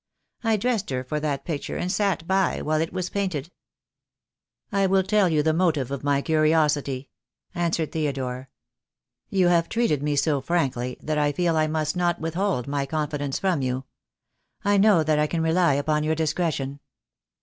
I dressed her for that picture and sat by while it was painted." THE DAY WILL COME. 265 "I will tell you the motive of my curiosity," answered Theodore. "You have treated me so frankly that I feel I must not withhold my confidence from you. I know that I can rely upon your discretion."